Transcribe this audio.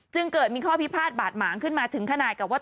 เกิดมีข้อพิพาทบาดหมางขึ้นมาถึงขนาดกับว่า